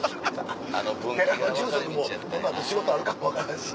寺の住職もこの後仕事あるかも分からんし。